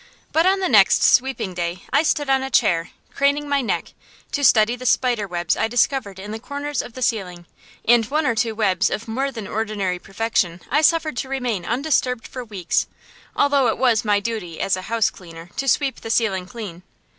But on the next sweeping day I stood on a chair, craning my neck, to study the spider webs I discovered in the corners of the ceiling; and one or two webs of more than ordinary perfection I suffered to remain undisturbed for weeks, although it was my duty, as a house cleaner, to sweep the ceiling clean.